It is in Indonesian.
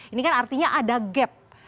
ini kan artinya ada gap